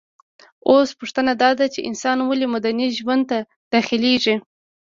اوس پوښتنه داده چي انسان ولي مدني ژوند ته داخليږي؟